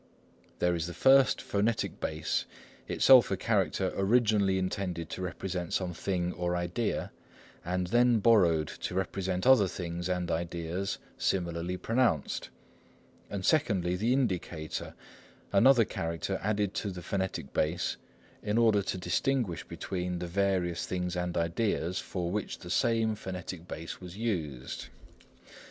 There is first the phonetic base, itself a character originally intended to represent some thing or idea, and then borrowed to represent other things and ideas similarly pronounced; and secondly, the indicator, another character added to the phonetic base in order to distinguish between the various things and ideas for which the same phonetic base was used.